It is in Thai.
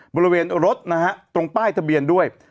บริเวณรถนะฮะตรงป้ายทะเบียนด้วย